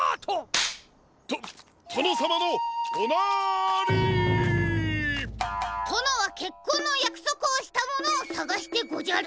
カチン！ととのさまのおなり！とのはけっこんのやくそくをしたものをさがしてごじゃる！